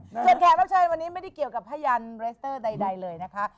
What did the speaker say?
ส่วนแขกรับเชิญวันนี้ไม่ได้เกี่ยวกับพยันเรสเตอร์ใดเลยนะคะ